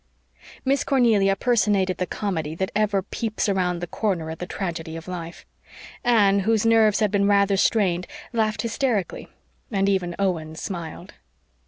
Miss Cornelia personated the comedy that ever peeps around the corner at the tragedy of life. Anne, whose nerves had been rather strained, laughed hysterically, and even Owen smiled.